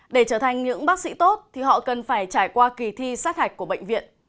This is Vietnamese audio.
để trở thành những bác sĩ tốt thì họ cần phải trải qua kỳ thi sát hạch của bệnh viện